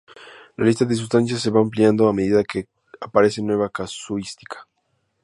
La lista de sustancias se va ampliando a medida que aparece nueva casuística.